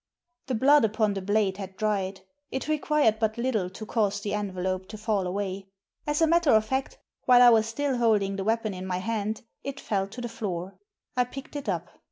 The blood upon the blade had dried. It required but little to cause the envelope to fall away. As a matter of fact, while I was still holding the weapon in my hand it fell to the floor. I picked it up.